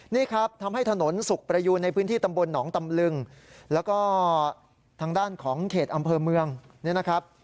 นี่ครับทำให้ถนนสุขประยูนในพื้นที่ตำบลหนองตำลึงแล้วก็ทางด้านของเขตอำเภอเมืองเนี่ยนะครับ